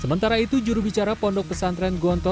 sementara itu jurubicara pondok pesantren gonto